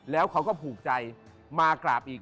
แล้วเขาก็ผูกใจมากราบอีก